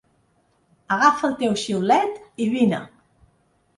Agafa el teu xiulet i vine !